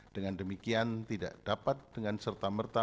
dengan demikian tidak dapat dengan serta merta